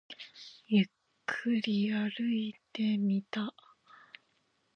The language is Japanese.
ゆっくり歩いてみた